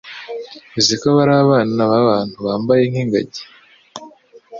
uziko bari abana b'abantu bambaye nk'ingagi.